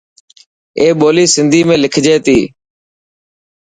اي ٻولي سنڌي ۾ لکجي تي.